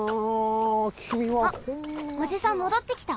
あっおじさんもどってきた。